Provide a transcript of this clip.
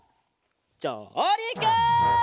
じょうりく！